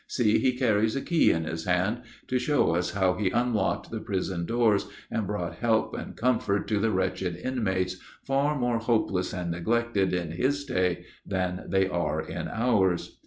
See, he carries a key in his hand, to show us how he unlocked the prison doors, and brought help and comfort to the wretched inmates, far more hopeless and neglected in his day than they are in ours.